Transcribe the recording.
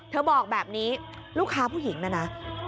บอกแบบนี้ลูกค้าผู้หญิงนะนะ